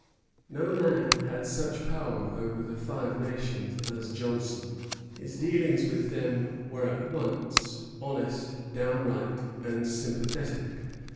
No man had such power over the Five Nations as Johnson. His dealings with them were at once honest, downright, and sympathetic.